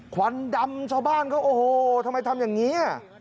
ควันดำชาวบ้านเขาโอ้โหทำไมทำอย่างนี้